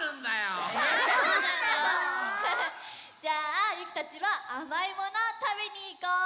じゃあゆきたちはあまいものをたべにいこう！